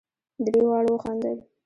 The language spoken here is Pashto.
درې واړو وخندل.